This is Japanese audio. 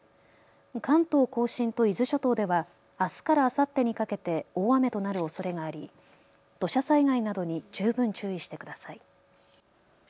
関東甲信と伊豆諸島ではあすからあさってにかけて大雨となるおそれがあり土砂災害などに十分注意してください。